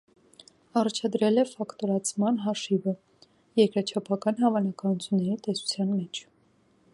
Առաջադրել է ֆակտորացման հաշիվը՝ երկրաչափական հավանականությունների տեսության մեջ։